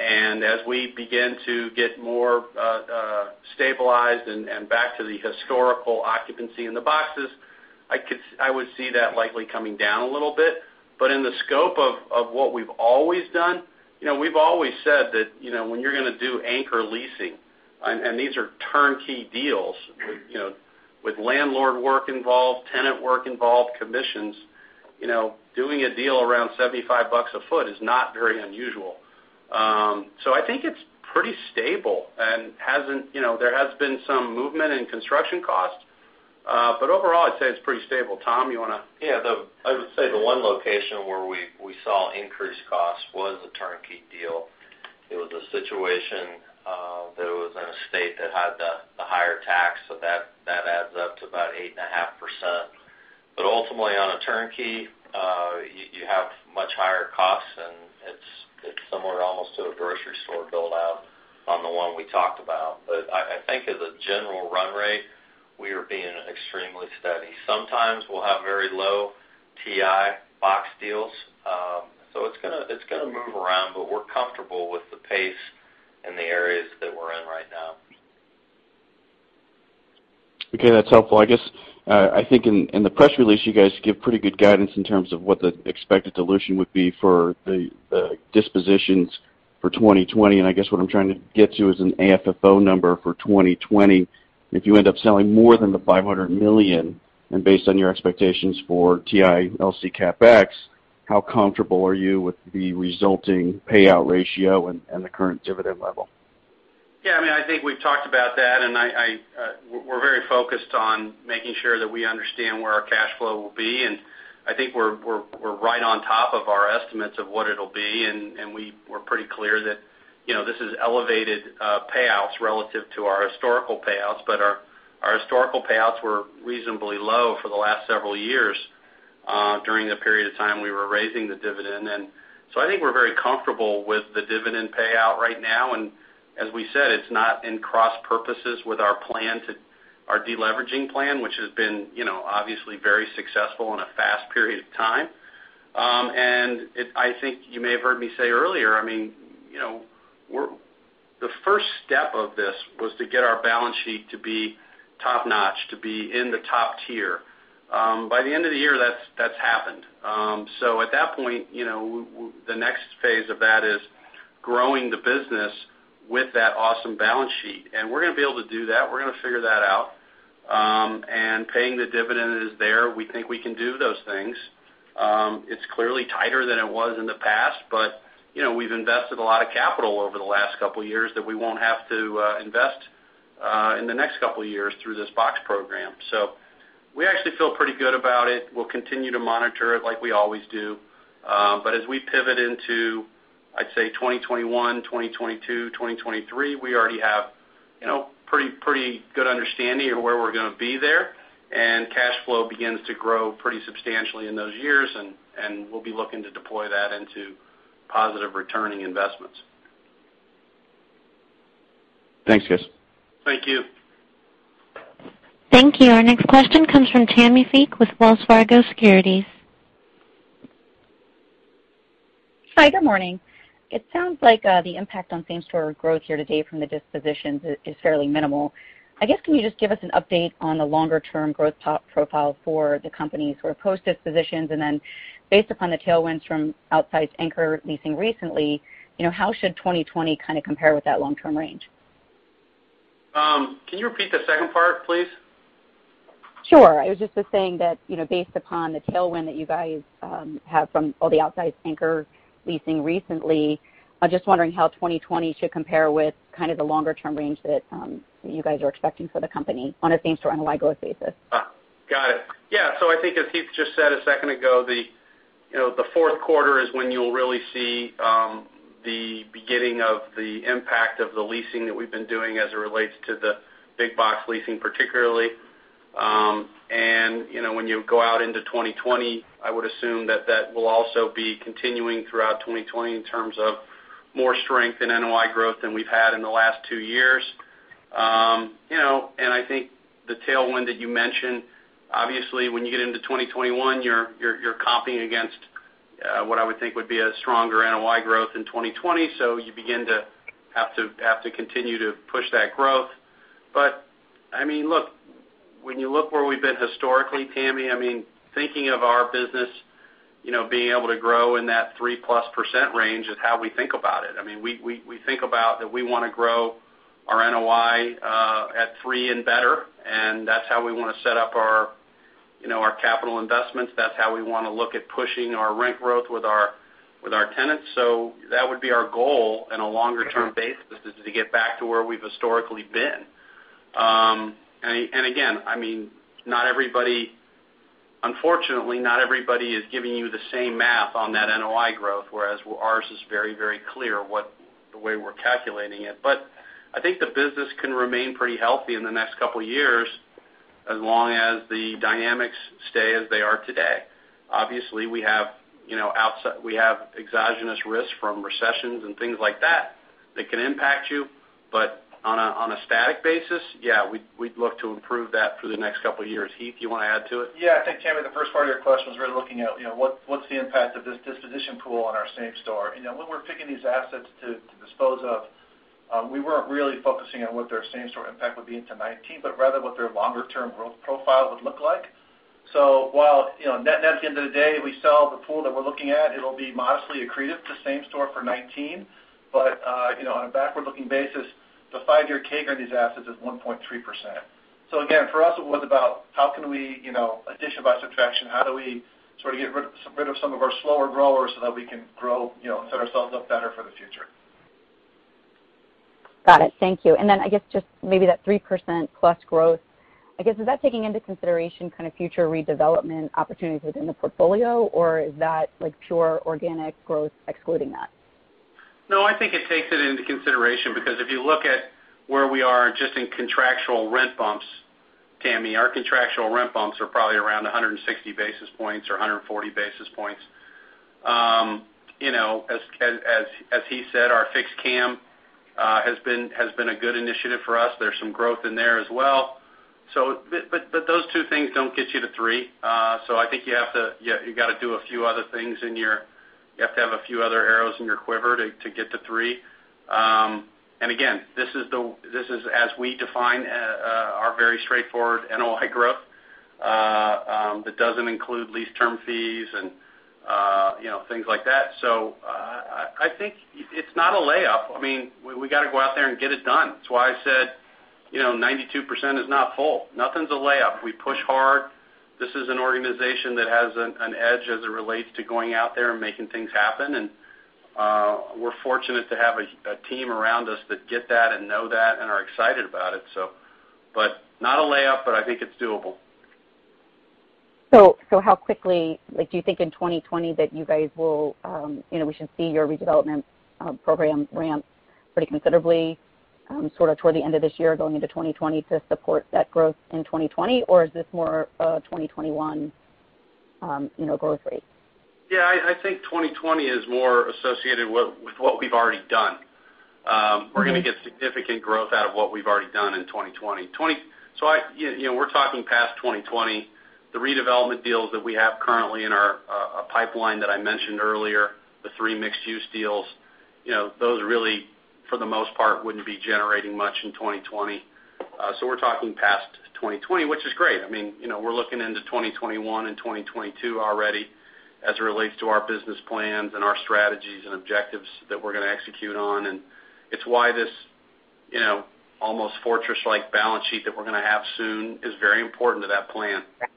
Speaker 3: and as we begin to get more stabilized and back to the historical occupancy in the boxes, I would see that likely coming down a little bit. In the scope of what we've always done, we've always said that when you're going to do anchor leasing, and these are turnkey deals with landlord work involved, tenant work involved, commissions, doing a deal around $75 a foot is not very unusual. I think it's pretty stable, and there has been some movement in construction costs. Overall, I'd say it's pretty stable. Tom, you want to-
Speaker 9: Yeah, I would say the one location where we saw increased costs was a turnkey deal. It was a situation that was in a state that had the higher tax, that adds up to about 8.5%. Ultimately, on a turnkey, you have much higher costs, and it's similar almost to a grocery store build-out on the one we talked about. I think as a general run rate, we are being extremely steady. Sometimes we'll have very low TI box deals. It's going to move around, but we're comfortable with the pace in the areas that we're in right now.
Speaker 13: Okay, that's helpful. I guess, I think in the press release, you guys give pretty good guidance in terms of what the expected dilution would be for the dispositions for 2020, and I guess what I'm trying to get to is an AFFO number for 2020. If you end up selling more than the $500 million, and based on your expectations for TI LC CapEx, how comfortable are you with the resulting payout ratio and the current dividend level?
Speaker 3: Yeah, I think we've talked about that. We're very focused on making sure that we understand where our cash flow will be. I think we're right on top of our estimates of what it'll be, and we're pretty clear that this is elevated payouts relative to our historical payouts. Our historical payouts were reasonably low for the last several years, during the period of time we were raising the dividend. I think we're very comfortable with the dividend payout right now, and as we said, it's not in cross purposes with our deleveraging plan, which has been obviously very successful in a fast period of time. I think you may have heard me say earlier, the first step of this was to get our balance sheet to be top-notch, to be in the top tier. By the end of the year, that's happened. At that point, the next phase of that is growing the business with that awesome balance sheet, and we're going to be able to do that. We're going to figure that out. Paying the dividend is there. We think we can do those things. It's clearly tighter than it was in the past, but we've invested a lot of capital over the last couple of years that we won't have to invest in the next couple of years through this box program. We actually feel pretty good about it. We'll continue to monitor it like we always do. As we pivot into, I'd say 2021, 2022, 2023, we already have pretty good understanding of where we're going to be there, and cash flow begins to grow pretty substantially in those years, and we'll be looking to deploy that into positive returning investments.
Speaker 13: Thanks, guys.
Speaker 3: Thank you.
Speaker 1: Thank you. Our next question comes from Tammy Fique with Wells Fargo Securities.
Speaker 14: Hi, good morning. It sounds like the impact on same-store growth here today from the dispositions is fairly minimal. I guess, can you just give us an update on the longer-term growth profile for the company, sort of post-dispositions, and then based upon the tailwinds from outsized anchor leasing recently, how should 2020 kind of compare with that long-term range?
Speaker 3: Can you repeat the second part, please?
Speaker 14: Sure. I was just saying that based upon the tailwind that you guys have from all the outsized anchor leasing recently, I'm just wondering how 2020 should compare with kind of the longer-term range that you guys are expecting for the company on a same-store NOI growth basis.
Speaker 3: Got it. Yeah. I think as Heath just said a second ago, the fourth quarter is when you'll really see the beginning of the impact of the leasing that we've been doing as it relates to the big box leasing particularly. When you go out into 2020, I would assume that will also be continuing throughout 2020 in terms of more strength in NOI growth than we've had in the last two years. I think the tailwind that you mentioned, obviously when you get into 2021, you're comping against what I would think would be a stronger NOI growth in 2020, you begin to have to continue to push that growth. When you look where we've been historically, Tammy, thinking of our business being able to grow in that three-plus % range is how we think about it. We think about that we want to grow our NOI at three and better, that's how we want to set up our capital investments. That's how we want to look at pushing our rent growth with our tenants. That would be our goal on a longer-term basis, is to get back to where we've historically been. Again, unfortunately, not everybody is giving you the same math on that NOI growth, whereas ours is very clear the way we're calculating it. I think the business can remain pretty healthy in the next couple of years as long as the dynamics stay as they are today. Obviously, we have exogenous risks from recessions and things like that can impact you. On a static basis, yeah, we'd look to improve that through the next couple of years. Heath, you want to add to it?
Speaker 6: I think, Tammy, the first part of your question was really looking at what's the impact of this disposition pool on our same store. When we're picking these assets to dispose of, we weren't really focusing on what their same store impact would be into 2019, but rather what their longer-term growth profile would look like. While net, at the end of the day, we sell the pool that we're looking at, it'll be modestly accretive to same store for 2019. On a backward-looking basis, the five-year CAGR on these assets is 1.3%. Again, for us, it was about how can we, addition by subtraction, how do we sort of get rid of some of our slower growers so that we can grow and set ourselves up better for the future.
Speaker 14: Got it. Thank you. I guess just maybe that 3% plus growth, I guess, is that taking into consideration kind of future redevelopment opportunities within the portfolio, or is that pure organic growth excluding that?
Speaker 3: No, I think it takes it into consideration because if you look at where we are just in contractual rent bumps, Tammy, our contractual rent bumps are probably around 160 basis points or 140 basis points. As Heath said, our fixed CAM has been a good initiative for us. There's some growth in there as well. Those two things don't get you to three. I think you've got to do a few other things, you have to have a few other arrows in your quiver to get to three. Again, this is as we define our very straightforward NOI growth, that doesn't include lease term fees and things like that. I think it's not a layup. We got to go out there and get it done. That's why I said 92% is not whole. Nothing's a layup. We push hard. This is an organization that has an edge as it relates to going out there and making things happen, and we're fortunate to have a team around us that get that and know that and are excited about it. Not a layup, but I think it's doable.
Speaker 14: How quickly do you think in 2020 that you guys we should see your redevelopment program ramp pretty considerably sort of toward the end of this year going into 2020 to support that growth in 2020? Or is this more a 2021 growth rate?
Speaker 3: Yeah. I think 2020 is more associated with what we've already done. We're going to get significant growth out of what we've already done in 2020. We're talking past 2020. The redevelopment deals that we have currently in our pipeline that I mentioned earlier, the 3 mixed-use deals, those really, for the most part, wouldn't be generating much in 2020. We're talking past 2020, which is great. We're looking into 2021 and 2022 already as it relates to our business plans and our strategies and objectives that we're going to execute on. It's why this almost fortress-like balance sheet that we're going to have soon is very important to that plan.
Speaker 14: Right.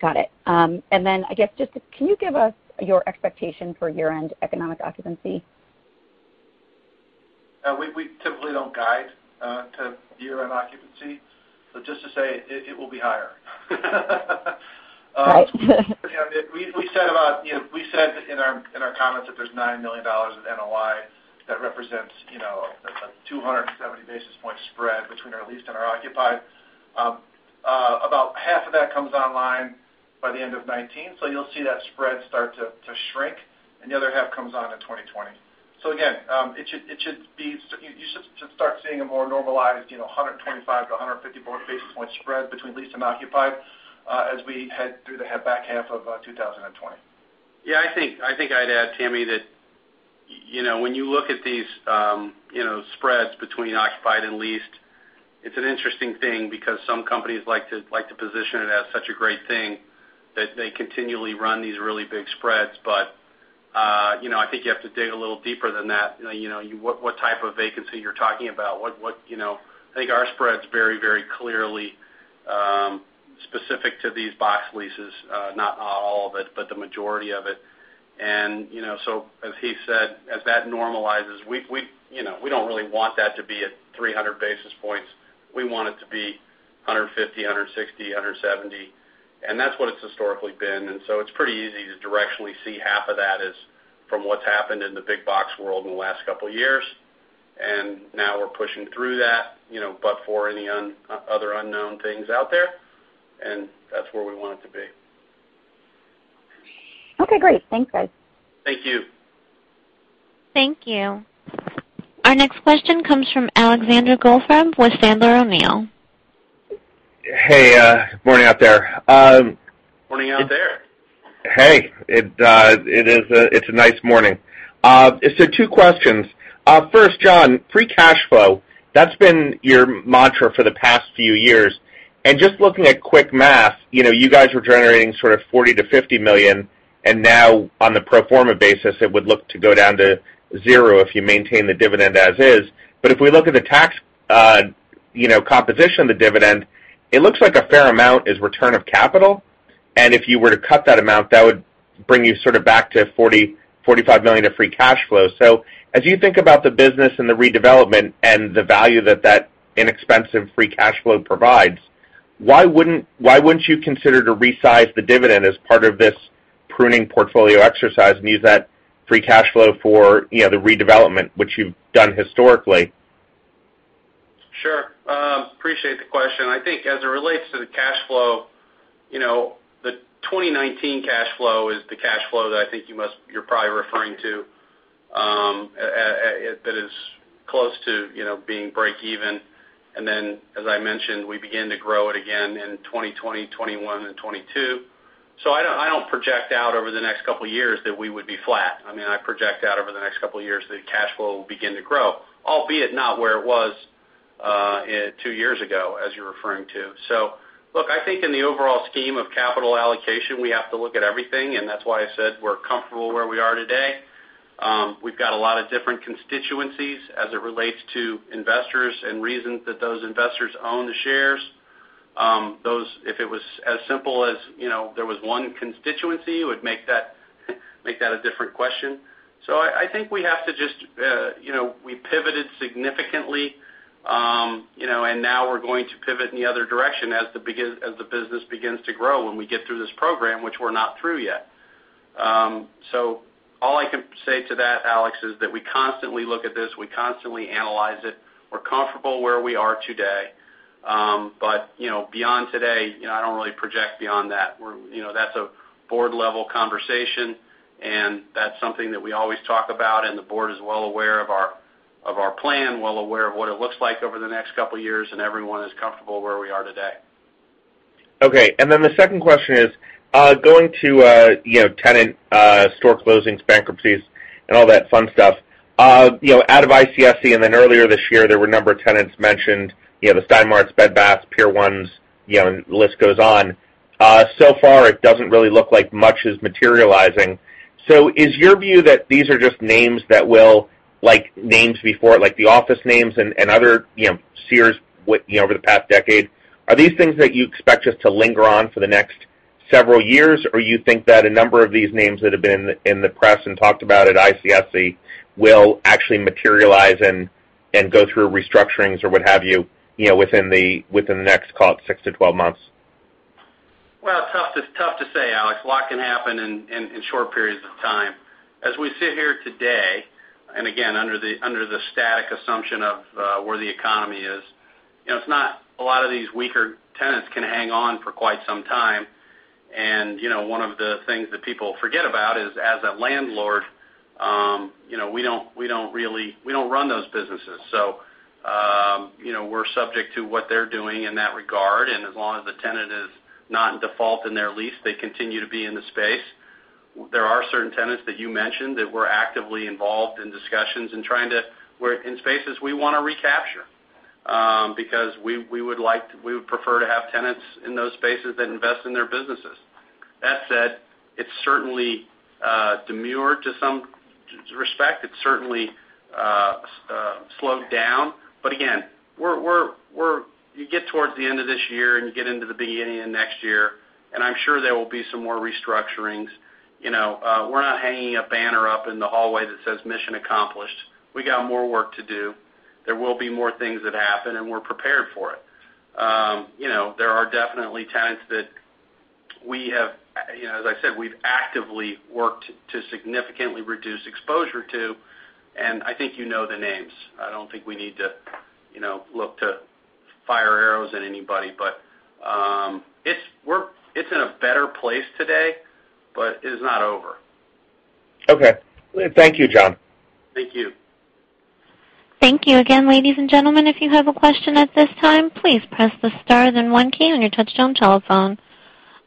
Speaker 14: Got it. I guess, can you give us your expectation for year-end economic occupancy?
Speaker 3: We typically don't guide to year-end occupancy, but just to say it will be higher.
Speaker 14: Right.
Speaker 3: We said in our comments that there's $9 million of NOI that represents a 270 basis point spread between our leased and our occupied. About half of that comes online by the end of 2019, you'll see that spread start to shrink, and the other half comes on in 2020. Again, you should start seeing a more normalized, 125 to 154 basis point spread between leased and occupied as we head through the back half of 2020. Yeah, I think I'd add, Tammy, that when you look at these spreads between occupied and leased, it's an interesting thing because some companies like to position it as such a great thing that they continually run these really big spreads. I think you have to dig a little deeper than that, what type of vacancy you're talking about. I think our spread's very, very clearly specific to these box leases. Not all of it, but the majority of it. As he said, as that normalizes, we don't really want that to be at 300 basis points. We want it to be 150, 160, 170. That's what it's historically been, so it's pretty easy to directionally see half of that is from what's happened in the big box world in the last couple of years. Now we're pushing through that, but for any other unknown things out there, that's where we want it to be.
Speaker 14: Okay, great. Thanks, guys.
Speaker 3: Thank you.
Speaker 1: Thank you. Our next question comes from Alexander Goldfarb with Sandler O'Neill.
Speaker 15: Hey, morning out there.
Speaker 3: Morning out there.
Speaker 15: Hey, it's a nice morning. Two questions. First, John, free cash flow, that's been your mantra for the past few years, and just looking at quick math, you guys were generating sort of $40 million-$50 million, and now on the pro forma basis, it would look to go down to zero if you maintain the dividend as is. If we look at the tax composition of the dividend, it looks like a fair amount is return of capital. If you were to cut that amount, that would bring you sort of back to $40 million, $45 million of free cash flow. As you think about the business and the redevelopment and the value that that inexpensive free cash flow provides, why wouldn't you consider to resize the dividend as part of this pruning portfolio exercise and use that free cash flow for the redevelopment, which you've done historically?
Speaker 3: Sure. Appreciate the question. I think as it relates to the cash flow, the 2019 cash flow is the cash flow that I think you're probably referring to, that is close to being break-even. As I mentioned, we begin to grow it again in 2020, 2021, and 2022. I don't project out over the next couple of years that we would be flat. I project out over the next couple of years that cash flow will begin to grow, albeit not where it was two years ago, as you're referring to. Look, I think in the overall scheme of capital allocation, we have to look at everything, and that's why I said we're comfortable where we are today. We've got a lot of different constituencies as it relates to investors and reasons that those investors own the shares. If it was as simple as there was one constituency, it would make that a different question. I think we pivoted significantly, and now we're going to pivot in the other direction as the business begins to grow when we get through this program, which we're not through yet. All I can say to that, Alex, is that we constantly look at this. We constantly analyze it. We're comfortable where we are today. Beyond today, I don't really project beyond that. That's a board-level conversation, and that's something that we always talk about, and the board is well aware of our plan, well aware of what it looks like over the next couple of years, and everyone is comfortable where we are today.
Speaker 15: The second question is, going to tenant store closings, bankruptcies, and all that fun stuff. Out of ICSC earlier this year, there were a number of tenants mentioned, the Stein Marts, Bed Baths, Pier 1s, and the list goes on. Far it doesn't really look like much is materializing. Is your view that these are just names that will, like names before, like the office names and other, Sears, over the past decade. Are these things that you expect just to linger on for the next several years? Or you think that a number of these names that have been in the press and talked about at ICSC will actually materialize and go through restructurings, or what have you, within the next, call it 6-12 months?
Speaker 3: Well, it's tough to say, Alex. A lot can happen in short periods of time. As we sit here today, again, under the static assumption of where the economy is, a lot of these weaker tenants can hang on for quite some time. One of the things that people forget about is as a landlord, we don't run those businesses. We're subject to what they're doing in that regard, and as long as the tenant is not in default in their lease, they continue to be in the space. There are certain tenants that you mentioned that we're actively involved in discussions in spaces we want to recapture because we would prefer to have tenants in those spaces that invest in their businesses. That said, it's certainly diminished to some respect. It's certainly slowed down. Again, you get towards the end of this year, and you get into the beginning of next year, and I'm sure there will be some more restructurings. We're not hanging a banner up in the hallway that says, "Mission accomplished." We got more work to do. There will be more things that happen, and we're prepared for it. There are definitely tenants that, as I said, we've actively worked to significantly reduce exposure to, and I think you know the names. I don't think we need to look to fire arrows at anybody. It's in a better place today, but it is not over.
Speaker 15: Okay. Thank you, John.
Speaker 3: Thank you.
Speaker 1: Thank you again, ladies and gentlemen. If you have a question at this time, please press the star, then one key on your touchtone telephone.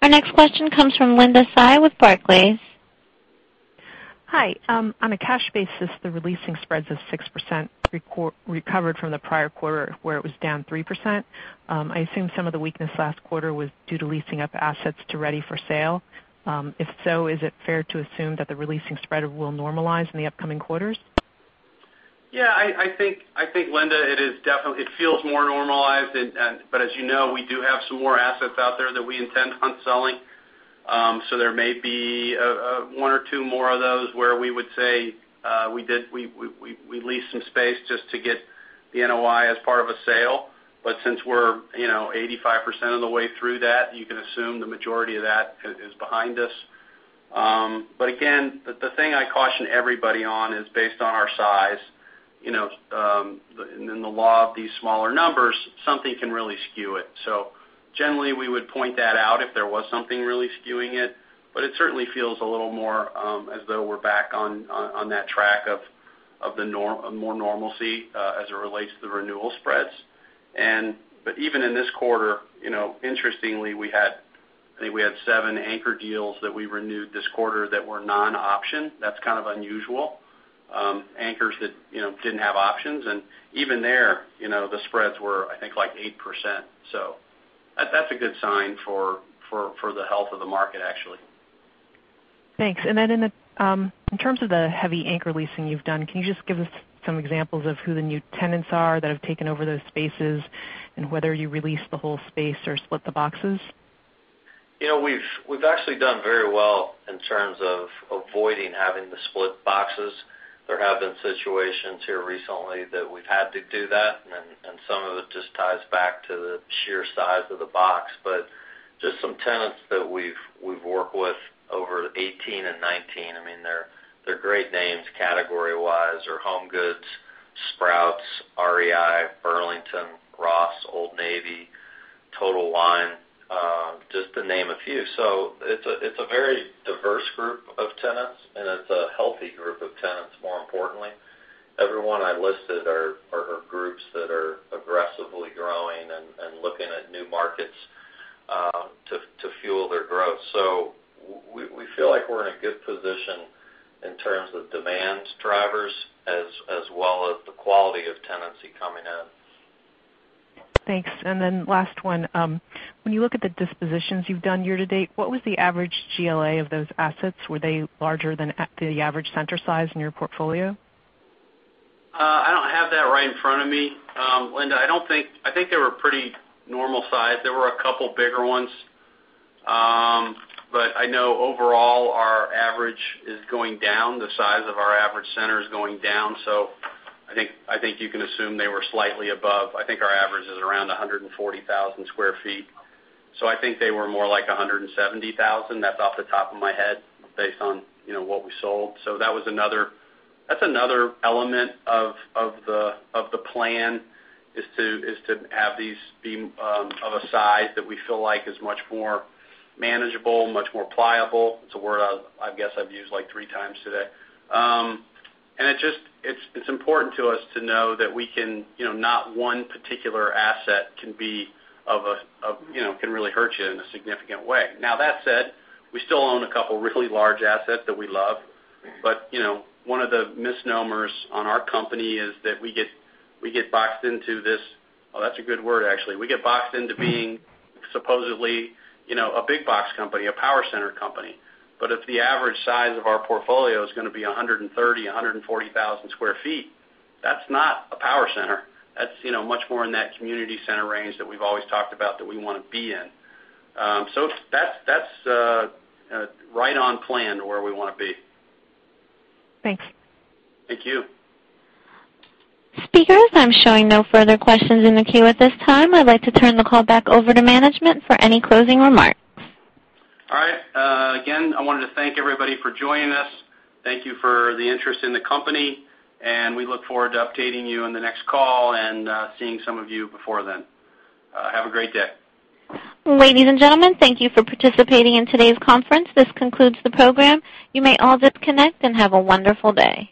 Speaker 1: Our next question comes from Linda Tsai with Barclays.
Speaker 16: Hi. On a cash basis, the re-leasing spreads is 6% recovered from the prior quarter where it was down 3%. I assume some of the weakness last quarter was due to leasing up assets to ready for sale. If so, is it fair to assume that the re-leasing spread will normalize in the upcoming quarters?
Speaker 3: Yeah, I think, Linda, it feels more normalized. As you know, we do have some more assets out there that we intend on selling. There may be one or two more of those where we would say we leased some space just to get the NOI as part of a sale. Since we're 85% of the way through that, you can assume the majority of that is behind us. Again, the thing I caution everybody on is based on our size, and in the law of these smaller numbers, something can really skew it. Generally, we would point that out if there was something really skewing it certainly feels a little more as though we're back on that track of more normalcy as it relates to the renewal spreads. Even in this quarter, interestingly, I think we had seven anchor deals that we renewed this quarter that were non-option. That's kind of unusual. Anchors that didn't have options, and even there, the spreads were, I think, like 8%. That's a good sign for the health of the market, actually.
Speaker 16: Thanks. In terms of the heavy anchor leasing you've done, can you just give us some examples of who the new tenants are that have taken over those spaces and whether you re-leased the whole space or split the boxes?
Speaker 3: We've actually done very well in terms of avoiding having to split boxes. There have been situations here recently that we've had to do that, and then some of it just ties back to the sheer size of the box. Just some tenants that we've worked with over 2018 and 2019, they're great names category-wise. They're HomeGoods, Sprouts, REI, Burlington, Ross, Old Navy, Total Wine, just to name a few. It's a very diverse group of tenants, and it's a healthy group of tenants, more importantly. Everyone I listed are groups that are aggressively growing and looking at new markets to fuel their growth. We feel like we're in a good position in terms of demand drivers as well as the quality of tenancy coming in.
Speaker 16: Thanks. Last one. When you look at the dispositions you've done year to date, what was the average GLA of those assets? Were they larger than the average center size in your portfolio?
Speaker 3: I don't have that right in front of me. Linda, I think they were pretty normal size. There were a couple bigger ones. I know overall our average is going down. The size of our average center is going down. I think you can assume they were slightly above. I think our average is around 140,000 square feet. I think they were more like 170,000. That's off the top of my head based on what we sold. That's another element of the plan, is to have these be of a size that we feel like is much more manageable, much more pliable. It's a word I guess I've used like three times today. It's important to us to know that not one particular asset can really hurt you in a significant way. That said, we still own a couple of really large assets that we love. One of the misnomers on our company is that we get boxed into this Oh, that's a good word, actually. We get boxed into being supposedly a big box company, a power center company. If the average size of our portfolio is going to be 130,000, 140,000 square feet, that's not a power center. That's much more in that community center range that we've always talked about that we want to be in. That's right on plan to where we want to be.
Speaker 16: Thanks.
Speaker 3: Thank you.
Speaker 1: Speakers, I'm showing no further questions in the queue at this time. I'd like to turn the call back over to management for any closing remarks.
Speaker 3: All right. Again, I wanted to thank everybody for joining us. Thank you for the interest in the company. We look forward to updating you on the next call and seeing some of you before then. Have a great day.
Speaker 1: Ladies and gentlemen, thank you for participating in today's conference. This concludes the program. You may all disconnect, and have a wonderful day.